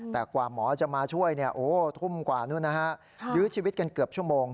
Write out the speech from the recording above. แต่กว่าหมอจะมาช่วยทุ่มกว่านู้นนะฮะยื้อชีวิตกันเกือบชั่วโมง